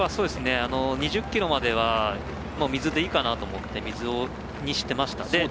２０ｋｍまでは水でいいかなと思って水にしていました。